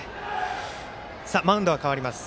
マウンドは変わります。